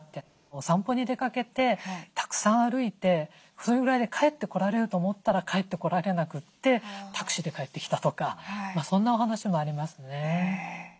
お散歩に出かけてたくさん歩いてそれぐらいで帰ってこられると思ったら帰ってこられなくてタクシーで帰ってきたとかそんなお話もありますね。